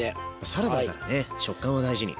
サラダだからね食感は大事に。